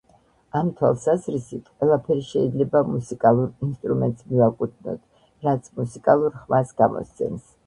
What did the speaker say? ამ თვალსაზრისით, ყველაფერი შეიძლება მუსიკალურ ინსტრუმენტს მივაკუთვნიოთ, რაც მუსიკალურ ხმას გამოსცემს.